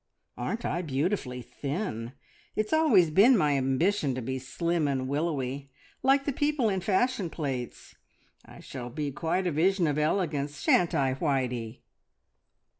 Aren't I beautifully thin? It's always been my ambition to be slim and willowy, like the people in fashion plates. I shall be quite a vision of elegance, shan't I, Whitey?"